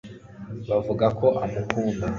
bavuga ko amukunda